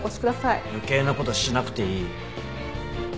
余計なことしなくていい。